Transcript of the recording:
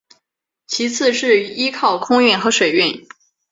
其次是依靠空运和水运。